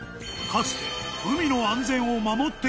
［かつて］